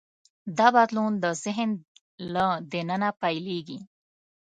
دا بدلون د ذهن له دننه پیلېږي.